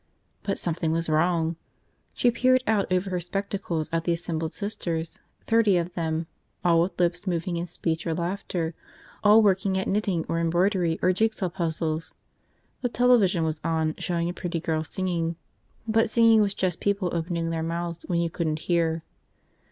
But something was wrong. She peered out over her spectacles at the assembled Sisters, thirty of them, all with lips moving in speech or laughter, all working at knitting or embroidery or jigsaw puzzles. The television was on, showing a pretty girl singing, but singing was just people opening their mouths when you couldn't hear.